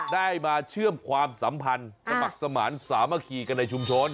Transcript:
ได้มาเชื่อมความสัมพันธ์สมัครสมานสามัคคีกันในชุมชน